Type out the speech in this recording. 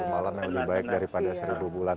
malam yang lebih baik daripada seribu bulan